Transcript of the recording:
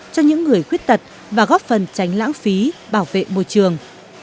cho những người khuyết tật và góp phần tránh lãng phí bảo vệ môi trường